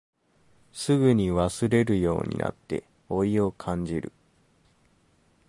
すぐに忘れるようになって老いを感じる